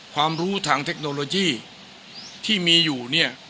ความรู้ทางเทคโนโลยีที่มีอยู่เนี่ย